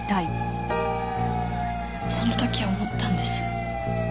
その時思ったんです。